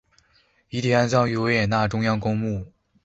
遗体安葬于维也纳中央公墓。